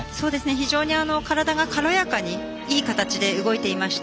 非常に体が軽やかにいい形で動いていました。